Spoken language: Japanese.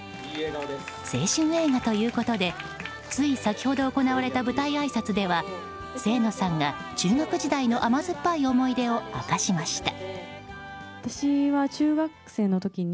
青春映画ということでつい先ほど行われた舞台あいさつでは清野さんが中学時代の甘酸っぱい思い出を明かしました。